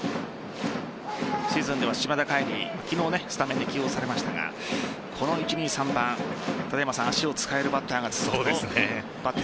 シーズンでは島田海吏昨日スタメンで起用されましたがこの１、２、３番足を使えるバッターが揃っていますね。